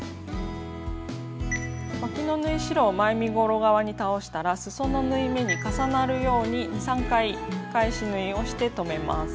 わきの縫い代は前身ごろ側に倒したらすその縫い目に重なるように２３回返し縫いをして留めます。